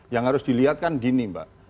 yang harus dilihat kan gini mbak